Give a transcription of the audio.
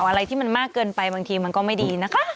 อะไรที่มันมากเกินไปบางทีมันก็ไม่ดีนะคะ